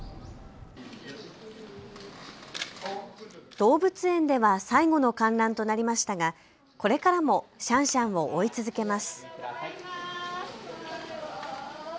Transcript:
動物園では最後の観覧となりましたが、これからもシャンシャンを追い続けます。